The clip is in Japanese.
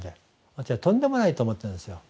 私はとんでもないと思ってるんですよ。